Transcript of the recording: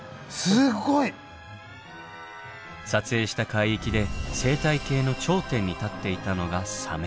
すごい！撮影した海域で生態系の頂点に立っていたのがサメ。